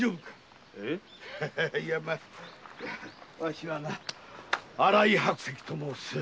⁉わしはな新井白石と申す。